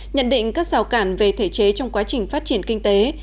nhận định các rào cản về thể chế trong quá trình phát triển kinh tế